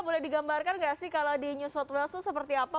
boleh digambarkan nggak sih kalau di new south wales itu seperti apa